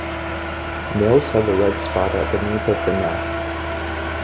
Males have a red spot at the nape of the neck.